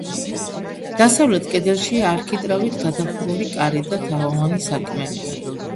დასავლეთ კედელში არქიტრავით გადახურული კარი და თაღოვანი სარკმელია.